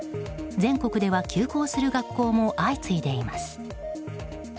全国では休校する学校も相次いでいます。